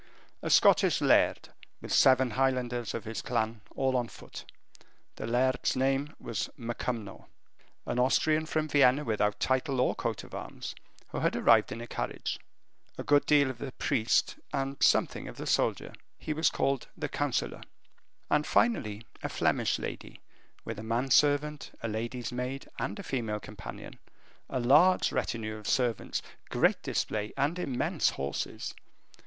A Scottish laird, with seven highlanders of his clan, all on foot. The laird's name was MacCumnor. An Austrian from Vienna without title or coat of arms, who had arrived in a carriage; a good deal of the priest, and something of the soldier. He was called the Councilor. And, finally, a Flemish lady, with a man servant, a lady's maid, and a female companion, a large retinue of servants, great display, and immense horses.